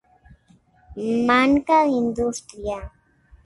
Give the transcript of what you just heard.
Manca d'indústria.